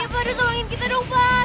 ya padahal tolongin kita dong pak